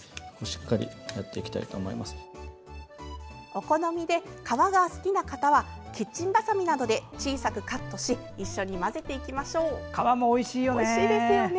お好みで、皮が好きな方はキッチンバサミなどで小さくカットし一緒に混ぜていきましょう。